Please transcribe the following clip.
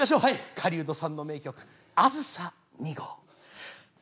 狩人さんの名曲「あずさ２号」。